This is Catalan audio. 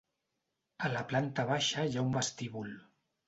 A la planta baixa hi ha un vestíbul.